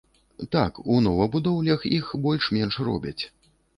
Так, у новабудоўлях іх больш-менш робяць.